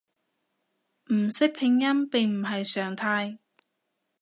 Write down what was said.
唔識拼音並唔係常態